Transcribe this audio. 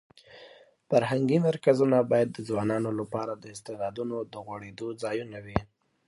فرهنګي مرکزونه باید د ځوانانو لپاره د استعدادونو د غوړېدو ځایونه وي.